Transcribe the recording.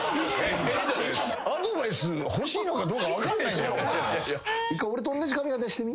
アドバイス欲しいのかどうか分かんないんだよお前。